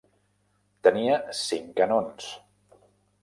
Tenia cinc canons.